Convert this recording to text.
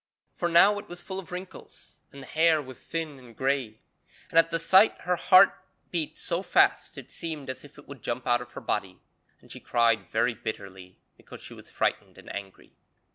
For now it was full of wrinkles, and the hair was thin and grey. And at the sight her heart beat so fast it seemed as if it would jump out of her body, and she cried very bitterly, because she was frightened and angry.